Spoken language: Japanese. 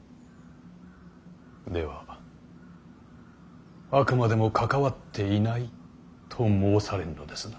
ではあくまでも関わっていないと申されるのですな。